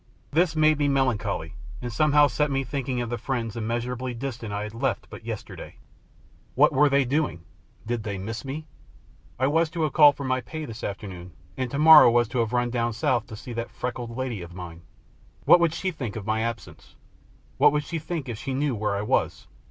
This made me melancholy, and somehow set me thinking of the friends immeasurably distant I had left but yesterday. What were they doing? Did they miss me? I was to have called for my pay this afternoon, and tomorrow was to have run down South to see that freckled lady of mine. What would she think of my absence? What would she think if she knew where I was?